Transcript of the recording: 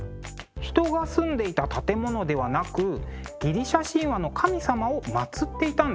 人が住んでいた建物ではなくギリシャ神話の神様を祭っていたんですね。